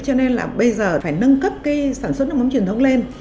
cho nên là bây giờ phải nâng cấp cái sản xuất nước mắm truyền thống lên